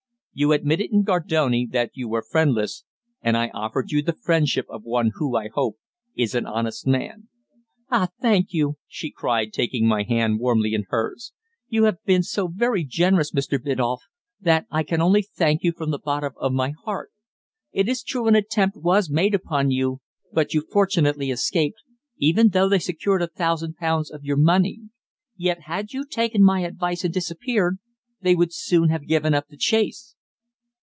You admitted in Gardone that you were friendless, and I offered you the friendship of one who, I hope, is an honest man." "Ah! thank you!" she cried, taking my hand warmly in hers. "You have been so very generous, Mr. Biddulph, that I can only thank you from the bottom of my heart. It is true an attempt was made upon you, but you fortunately escaped, even though they secured a thousand pounds of your money. Yet, had you taken my advice and disappeared, they would soon have given up the chase."